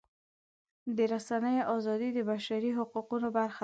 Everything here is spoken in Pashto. د رسنیو ازادي د بشري حقونو برخه ده.